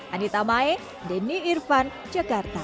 anita mae denny irvan jakarta